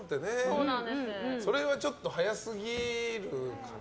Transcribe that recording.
それはちょっと早すぎるかな